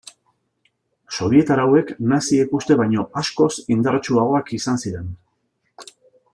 Sobietar hauek naziek uste baino askoz indartsuagoak izan ziren.